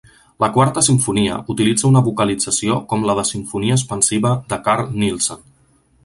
La quarta simfonia utilitza una vocalització com la de "Sinfonia Espansiva" de Carl Nielsen.